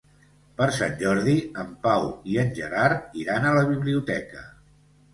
Per Sant Jordi en Pau i en Gerard iran a la biblioteca.